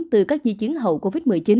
từ các di chuyển hậu covid một mươi chín